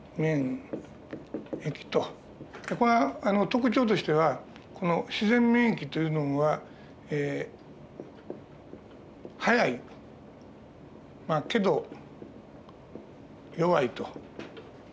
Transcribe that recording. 特徴としてはこの自然免疫というのは早いけど弱いと。